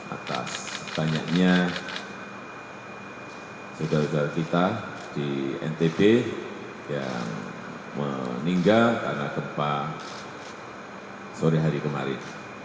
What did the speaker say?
atas banyaknya saudara saudara kita di ntb yang meninggal karena gempa sore hari kemarin